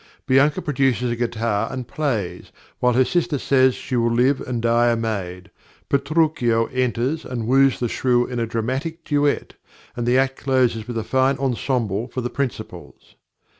Bianca produces a guitar and plays, while her sister says she will live and die a maid. Petruchio enters and woos the Shrew in a dramatic duet, and the act closes with a fine ensemble for the principals.